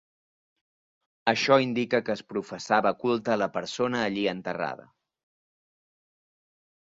Això indica que es professava culte a la persona allí enterrada.